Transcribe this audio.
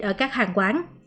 ở các hàng quán